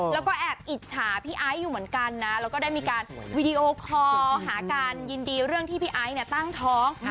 แล้วก็แอบอิจฉาพี่ไอซ์อยู่เหมือนกันนะแล้วก็ได้มีการวีดีโอคอลหาการยินดีเรื่องที่พี่ไอซ์เนี่ยตั้งท้อง